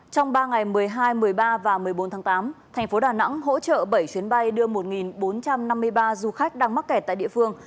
trong ba ngày một mươi hai một mươi ba và một mươi bốn tháng tám thành phố đà nẵng hỗ trợ bảy chuyến bay đưa một bốn trăm năm mươi ba du khách đang mắc kẹt tại địa phương